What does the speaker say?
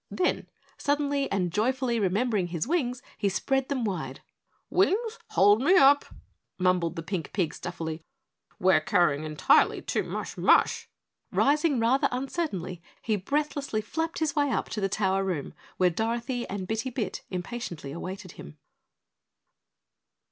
Then, suddenly and joyfully remembering his wings, he spread them wide. "Wings, hold me up," mumbled the pink pig stuffily, "we're carrying entirely too mush mush!" Rising rather uncertainly, he breathlessly flapped his way up to the tower room where Dorothy and Bitty Bit impatiently awaited him.